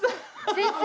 先生？